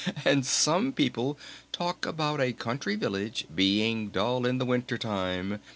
"And some people talk about a country village being dull in the Winter Time!"